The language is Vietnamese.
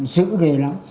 dữ ghê lắm